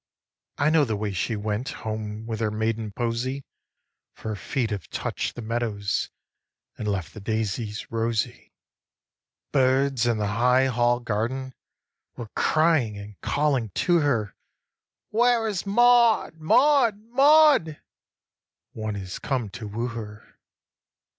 I know the way she went Home with her maiden posy, For her feet have touch'd the meadows And left the daisies rosy. 7. Birds in the high Hall garden Were crying and calling to her, Where is Maud, Maud, Maud, One is come to woo her. 8.